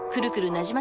なじま